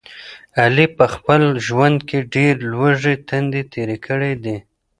علي په خپل ژوند کې ډېرې لوږې تندې تېرې کړي دي.